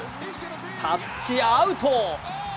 タッチアウト。